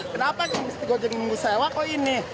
kenapa ini musti gojeng nunggu sewa kok ini